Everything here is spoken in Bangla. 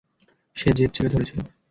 সে জেদ চেপে ধরেছিল।